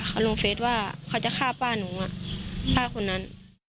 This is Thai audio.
เขาลงเฟสว่าเขาจะฆ่าป้าหนูป้าคนนั้น